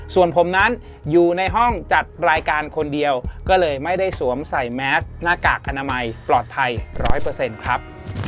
ส่วนผมนั้นอยู่ในห้องจัดรายการคนเดียวก็เลยไม่ได้สวมใส่แมสหน้ากากอนามัยปลอดภัยร้อยเปอร์เซ็นต์ครับ